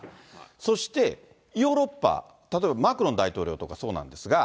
そして、ヨーロッパ、例えばマクロン大統領とかそうなんですが。